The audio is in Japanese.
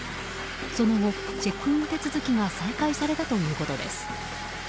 その後、チェックイン手続きが再開されたということです。